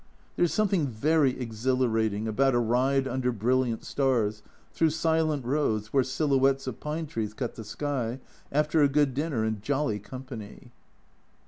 There is something very exhilarating about a ride under brilliant stars, through silent roads where silhouettes of pine trees cut the sky after a good dinner and jolly company.